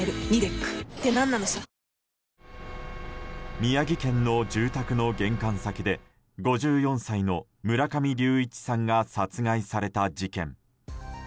宮城県の住宅の玄関先で５４歳の村上隆一さんが殺害された事件。